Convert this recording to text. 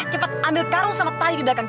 cepat ambil karung sama tari di belakang